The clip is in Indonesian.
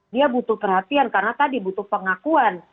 dia butuh perhatian karena tadi butuh pengakuan